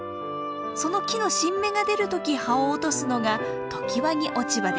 その木の新芽が出る時葉を落とすのが常磐木落葉です。